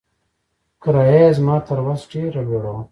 کرايه يې زما تر وس ډېره لوړه وه.